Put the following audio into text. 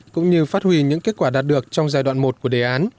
cũng như phát huy những kết quả đạt được trong giai đoạn một của đề án